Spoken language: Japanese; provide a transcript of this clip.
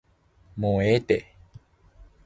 もうええて